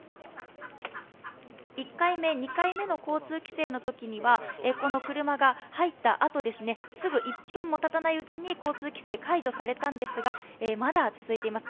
１回目、２回目の交通規制のときにはこの車が入ったあとすぐ、すぐ１分もたたないうちに交通規制が解除されたんですが、まだ続いています。